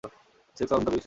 Sex on the beach নেবে।